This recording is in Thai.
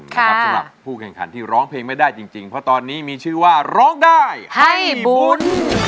สำหรับผู้แข่งขันที่ร้องเพลงไม่ได้จริงเพราะตอนนี้มีชื่อว่าร้องได้ให้บุญ